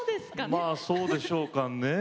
まあそうでしょうかねえ。